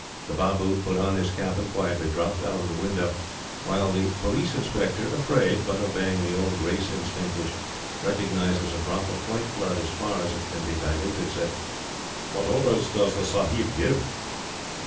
The Babu put on his cap and quietly dropped out of the window; while the Police Inspector, afraid, but obeying the old race instinct which recognizes a drop of White blood as far as it can be diluted, said: "What orders does the Sahib give?"